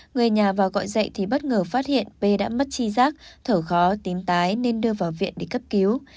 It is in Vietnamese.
người nhà vào gọi dậy thì bất ngờ phát hiện p đã mất chi giác thở khó tím tái nên đưa vào viện để cấp cứu